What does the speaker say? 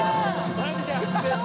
何やってるの？